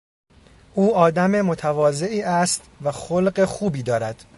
او آدم متواضعی است و خلق خوبی دارد.